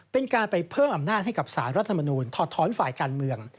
เป็นการไปเพิ่มอำนาจให้กับสารรัฐมนูลถอดท้อนฝ่ายการเมือง